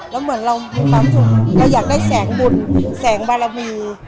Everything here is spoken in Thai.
แล้วเหมือนเรามีความสุขเราอยากได้แสงบุญแสงบารมี